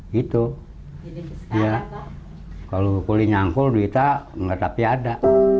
gitu ya kalau kulit nyangkul kita enggak tapi ada